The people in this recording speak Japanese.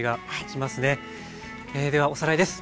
ではおさらいです。